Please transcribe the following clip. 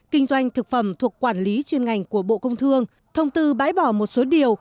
kinh doanh thực phẩm thuộc quản lý chuyên ngành của bộ công thương thông tư bãi bỏ một số điều